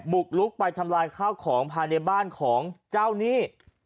บุกลุกไปทำลายข้าวของภายในบ้านของเจ้าหนี้